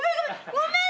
ごめん！